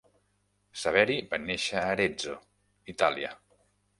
Severi va néixer a Arezzo, Itàlia.